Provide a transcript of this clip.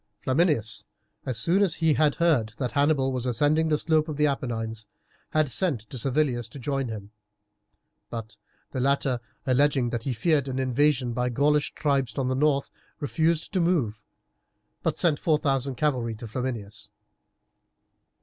Flaminius, as soon as he had heard that Hannibal was ascending the slopes of the Apennines, had sent to Servilius to join him, but the latter, alleging that he feared an invasion by the Gaulish tribes on the north, refused to move, but sent four thousand cavalry to Flaminius.